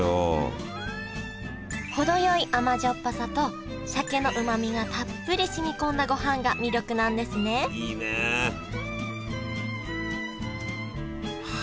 程よい甘じょっぱさと鮭のうまみがたっぷりしみこんだごはんが魅力なんですねは